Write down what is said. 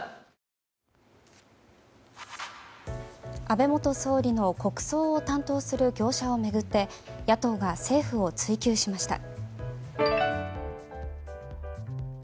安倍元総理の国葬を担当する業者を巡って野党が政府を追及しました。